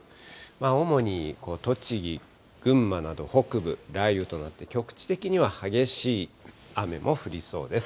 主に栃木、群馬など北部、雷雨となって、局地的には激しい雨も降りそうです。